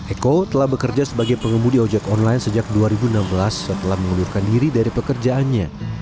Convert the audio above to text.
eko telah bekerja sebagai pengemudi ojek online sejak dua ribu enam belas setelah mengundurkan diri dari pekerjaannya